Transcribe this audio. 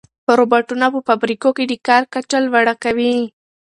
روبوټونه په فابریکو کې د کار کچه لوړه کوي.